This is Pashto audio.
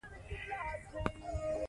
د هغه په وخت کې ډېر لومړني ښوونځي جوړ شول.